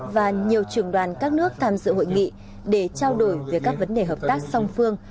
và nhiều trưởng đoàn các nước tham dự hội nghị để trao đổi về các vấn đề hợp tác song phương